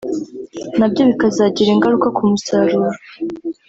nabyo bikazagira ingaruka ku musaruro